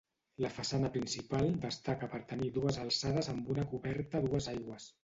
La façana principal destaca per tenir dues alçades amb una coberta a dues aigües.